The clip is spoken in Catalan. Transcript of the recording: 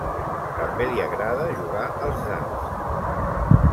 També li agrada jugar als dards.